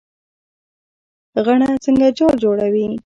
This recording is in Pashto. غڼه څنګه جال جوړوي؟